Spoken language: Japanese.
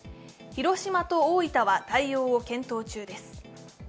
広島と大分は対応を検討中です。